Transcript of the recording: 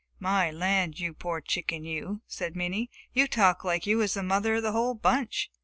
"My land, you poor chicken, you!" said Minnie. "You talk like you was the mother of the whole bunch!"